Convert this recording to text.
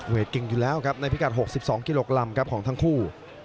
เก่งอยู่แล้วครับในพิกัด๖๒กิโลกรัมครับของทั้งคู่